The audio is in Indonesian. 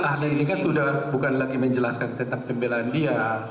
ahli ini kan sudah bukan lagi menjelaskan tentang pembelaan dia